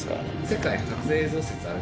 世界初映像説ある。